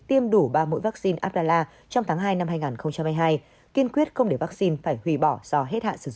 tiêm đủ ba mũi vắc xin adela trong tháng hai năm hai nghìn hai mươi hai kiên quyết không để vắc xin phải hủy bỏ do hết hạn sử dụng